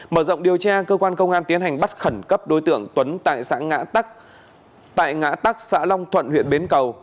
mở rộng điều tra cơ quan công an tiến hành bắt khẩn cấp đối tượng tuấn tại xã ngã tại ngã tắc xã long thuận huyện bến cầu